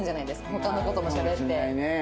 他の子ともしゃべって。